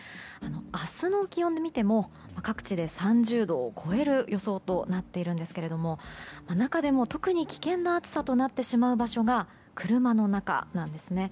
明日の気温で見ても各地で３０度を超える予想となっているんですが中でも特に危険な暑さとなってしまう場所が車の中なんですね。